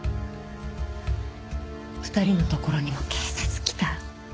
２人のところにも警察来た？